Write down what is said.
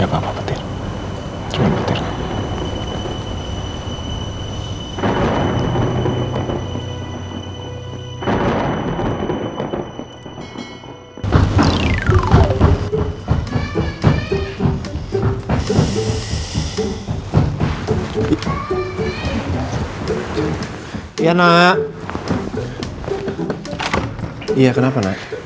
aduh aduh aduh kenapa